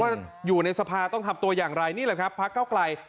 อยู่ในสภาต้องทำตัวอย่างไรนี่แหละครับพักเก้าไกล